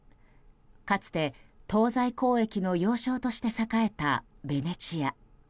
かつて東西交易の要衝として栄えたベネチア。